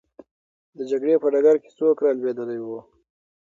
د جګړې په ډګر کې څوک رالوېدلی وو؟